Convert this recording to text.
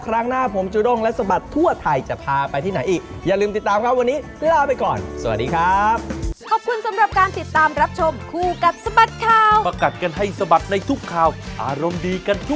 ครั้งหน้าผมจะด้งและสบัดทั่วไทยจะพาไปที่ไหนอีก